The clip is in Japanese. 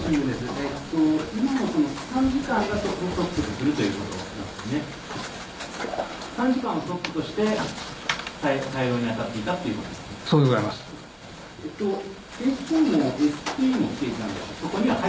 今の参事官をトップとして、対応に当たっていたということですか。